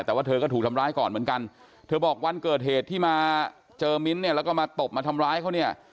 แต่ว่าเธอก็ถูกทำร้ายก่อนเหมือนกันเธอบอกวันเกิดเหตุที่มาเจอมิ้นท์เนี่ยแล้วก็มาตบมาทำร้ายเขาเนี่ย